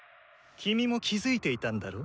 キミも気付いていたんだろ？